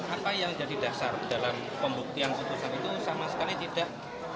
apa yang jadi dasar dalam pembuktian putusan itu sama sekali tidak